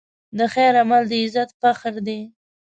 د خیر عمل د عزت فخر دی.